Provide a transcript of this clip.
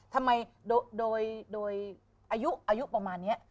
ทำไมโดยอายุประมาณนี้